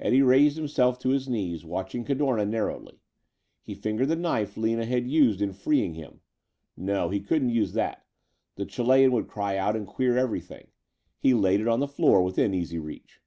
Eddie raised himself to his knees, watching Cadorna narrowly. He fingered the knife Lina had used in freeing him. No, he couldn't use that. The Chilean would cry out and queer everything. He laid it on the floor, within easy reach.